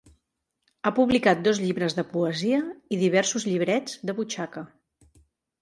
Ha publicat dos llibres de poesia i diversos llibrets de butxaca.